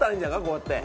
こうやって。